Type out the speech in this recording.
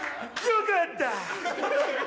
よかった！